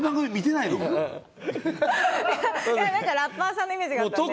なんかラッパーさんのイメージがあったんで。